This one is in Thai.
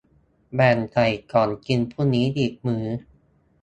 แบ่งใส่กล่องกินพรุ่งนี้อีกมื้อ